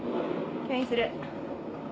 吸引する。